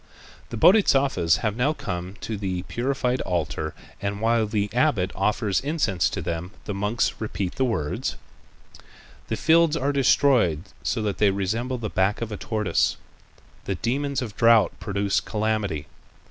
The Bodhisattvas have now come to the purified altar and while the abbot offers incense to them, the monks repeat the words: "The fields are destroyed so that they resemble the back of a tortoise. The demons of drought produce calamity.